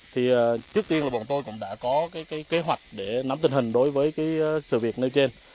thì trước tiên là bọn tôi cũng đã có kế hoạch để nắm tình hình đối với sự việc nơi trên